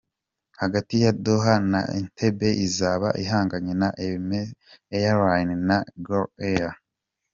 Hagati ya Doha na Entebbe izaba ihanganye na Emirates Airlines na Gulf Air.